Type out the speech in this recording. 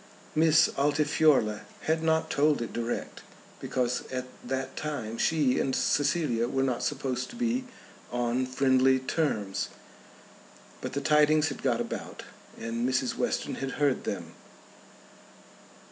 Miss Altifiorla had not told it direct, because at that time she and Cecilia were not supposed to be on friendly terms. But the tidings had got about and Mrs. Western had heard them.